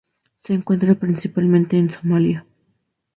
Se encuentra principalmente en Somalia.